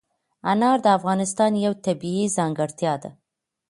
انار د افغانستان یوه طبیعي ځانګړتیا ده.